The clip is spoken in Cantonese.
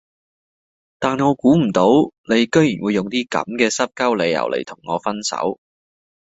但我估唔到你居然會用啲噉嘅濕鳩理由嚟同我分手